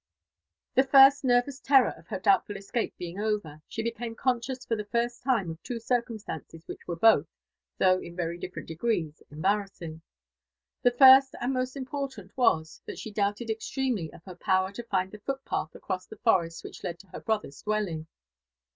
The first nervous terror of her doubtful escape being over, she became conscious for the first time of two circumstances which were both, though in very difTerent degrees, embarraasfng. The first and most important was, that she doubted extremely of her power (o fin<f the footpath across the forest which led to her brother's dwelling.